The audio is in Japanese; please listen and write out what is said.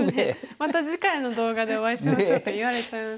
「また次回の動画でお会いしましょう」って言われちゃいましたね。